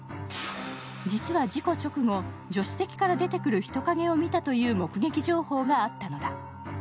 実は事故直後、助手席から出てくる人影を見たという目撃情報があったのだ。